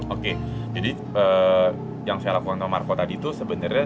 oke jadi yang saya lakukan nomarko tadi itu sebenarnya